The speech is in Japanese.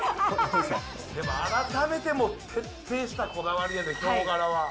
でも改めて、徹底したこだわりやで、ヒョウ柄は。